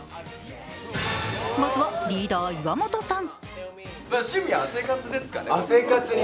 まずはリーダー・岩本さん。